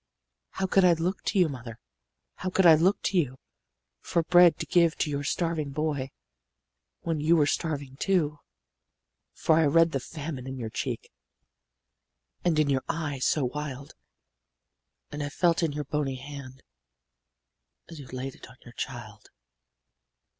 "'How could I look to you, mother, How could I look to you For bread to give to your starving boy, When you were starving, too? For I read the famine in your cheek And in your eye so wild, And I felt it in your bony hand, As you laid it on your child.